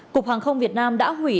cục hàng không việt nam đã hủy